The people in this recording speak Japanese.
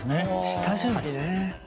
下準備ね。